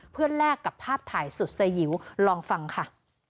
เพื่อแลกกับภาพถ่ายสุดสยิวลองฟังค่ะ